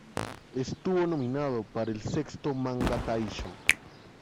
Estuvo nominado para el sexto "Manga Taisho".